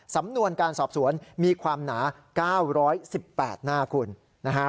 สำนวนการสอบสวนมีความหนา๙๑๘หน้าคุณนะฮะ